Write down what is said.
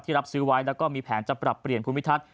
รับซื้อไว้แล้วก็มีแผนจะปรับเปลี่ยนภูมิทัศน